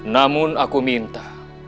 namun aku minta